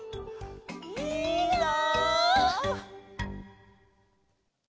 いいなあ！